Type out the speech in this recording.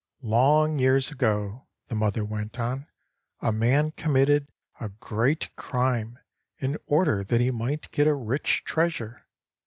"Long years ago," the mother went on, "a man committed a great crime in order that he might get a rich treasure.